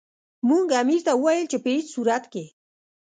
موږ امیر ته وویل چې په هیڅ صورت کې.